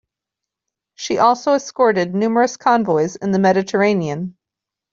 She also escorted numerous convoys in the Mediterranean.